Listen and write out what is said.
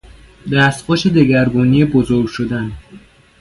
دستخوش دگرگونی بزرگ شدن